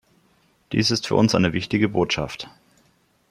Dies ist für uns eine wichtige Botschaft.